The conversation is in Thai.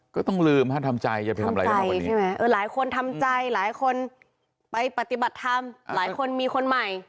ก็ต้องลืมทำใจหลายคนทำใจหลายคนไปปฏิบัติธรรมหลายคนมีคนใหม่